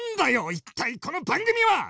一体この番組は！